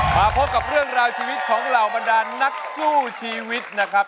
มาพบกับเรื่องราวชีวิตของเหล่าบรรดานนักสู้ชีวิตนะครับ